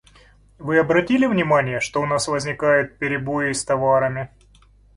Вы обратили внимание, что у нас регулярно возникают перебои с товарами?